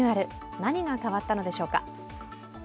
何が変わったのでしょうか。